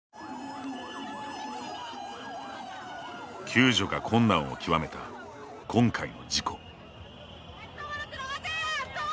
救助が困難を極めた今回の事故。